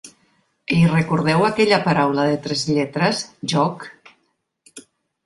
I recordeu aquella paraula de tres lletres, "joc"?